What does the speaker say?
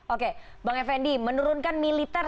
oke bang effendi menurunkan militer